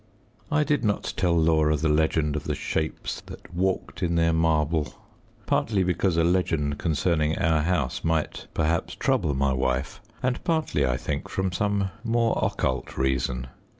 I did not tell Laura the legend of the shapes that "walked in their marble," partly because a legend concerning our house might perhaps trouble my wife, and partly, I think, from some more occult reason.